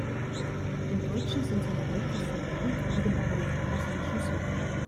Dem Deutschen sind seine Autos so heilig wie dem Amerikaner seine Schusswaffen.